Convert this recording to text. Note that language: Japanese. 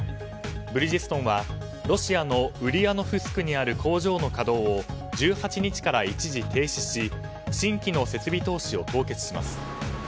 ブリヂストンはロシアのウリヤノフスクにある工場の稼働を１８日から一時停止し新規の設備投資を凍結します。